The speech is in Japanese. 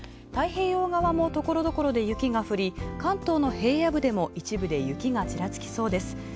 太平洋側もところどころで雪が降り、関東の平野部でも一部で雪がちらつきそうです。